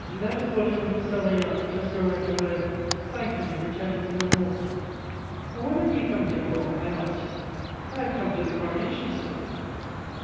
] That is what a little Savoyard, just arrived at Rheims, sang to me returning from my walk. "'And what have you come here for?' I asked him. "'I have come to the coronation, sir.'